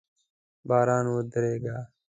باران ودرېده